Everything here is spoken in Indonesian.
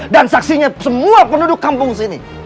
dan saksinya semua penduduk kampung sini